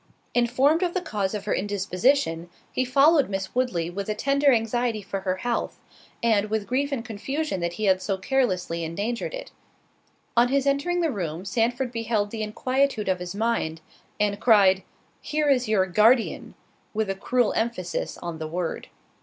Informed of the cause of her indisposition, he followed Miss Woodley with a tender anxiety for her health, and with grief and confusion that he had so carelessly endangered it. On his entering the room Sandford beheld the inquietude of his mind, and cried, "Here is your Guardian," with a cruel emphasis on the word.